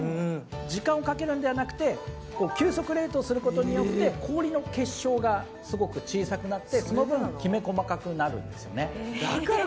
時間をかけるのではなくて、急速冷凍することによって氷の結晶がすごく小さくなってその分、きめ細かくなるんですよね